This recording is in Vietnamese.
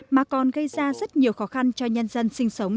mà còn gây ra rất nhiều khó khăn cho nhân dân sinh sống